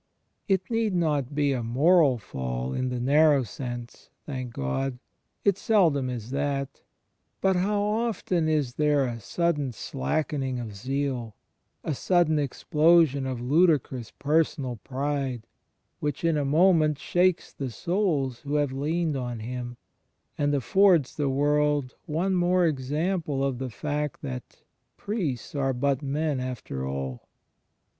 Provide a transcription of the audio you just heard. It need not be a moral fall — in the narrow sense — thank God! it seldom is that — but how often is there a sudden slacken 68 THE FRIENDSHIP OF CHRIST ing of zeal, a sudden explosion of ludicrous personal pride, which, in a moment, shakes the souls who have leaned on him, and affords the world one more example of the fact that "Priests are but men after all!"